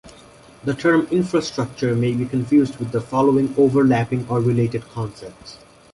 The term "infrastructure" may be confused with the following overlapping or related concepts.